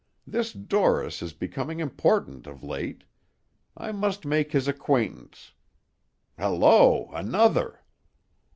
This Dorris is becoming important of late. I must make his acquaintance. Hello! Another!"